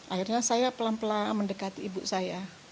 akhirnya saya pelan pelan mendekati ibu saya